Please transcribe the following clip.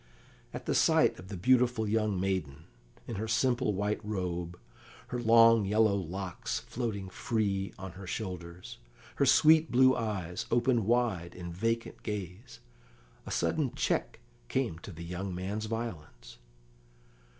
At the sight of the beautiful young maiden, in her simple white robe, her long yellow locks floating free on her shoulders, her sweet blue eyes opened wide in vacant gaze, a sudden check came to the young man's violence.